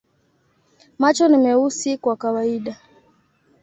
Macho ni meusi kwa kawaida.